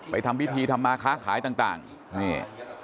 ทำพิธีทำมาค้าขายต่างนี่